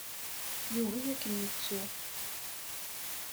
Yugi ad kem-yettu.